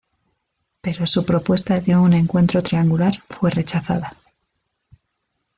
Pero su propuesta de un encuentro triangular fue rechazada.